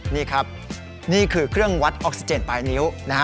นี่ครับนี่คือเครื่องวัดออกซิเจนปลายนิ้วนะฮะ